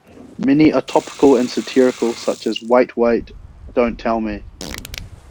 Many are topical and satirical, such as Wait Wait... Don't Tell Me!